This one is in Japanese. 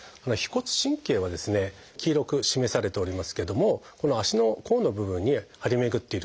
腓骨神経はですね黄色く示されておりますけどもこの足の甲の部分に張り巡っている神経なんですね。